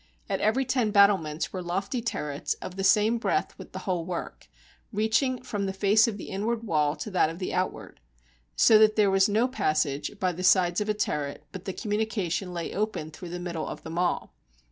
At every ten battle ments were lofty turrets of the same breadth with the whole work, reaching from the face of the inward wall to that of the outward: so that there was no passage by the sides of a turret, but the communication lay open through the middle of them all.